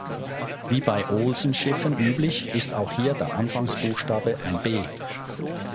Wie bei Olsen-Schiffen üblich, ist auch hier der Anfangsbuchstabe ein "B".